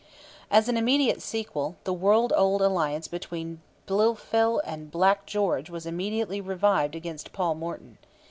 As an immediate sequel, the world old alliance between Blifil and Black George was immediately revived against Paul Morton.